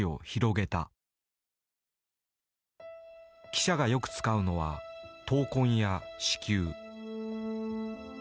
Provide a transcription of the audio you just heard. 記者がよく使うのは「闘魂」や「四球」。